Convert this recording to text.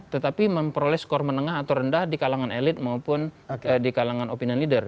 tetapi memperoleh skor menengah atau rendah di kalangan elit maupun di kalangan opinion leader